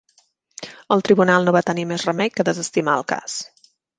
El tribunal no va tenir més remei que desestimar el cas.